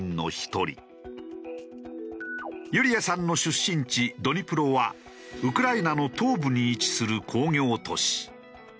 ユリヤさんの出身地ドニプロはウクライナの東部に位置する工業都市。